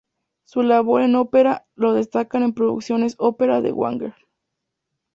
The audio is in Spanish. Su labor en ópera lo destacan en producciones ópera de Wagner.